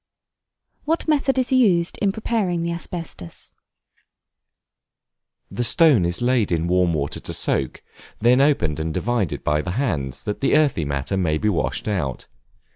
What method is used in preparing the Asbestus? The stone is laid in warm water to soak, then opened and divided by the hands, that the earthy matter may be washed out.